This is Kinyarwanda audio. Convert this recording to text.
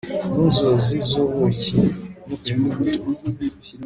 n'inzuzi z'ubuki n'ikivuguto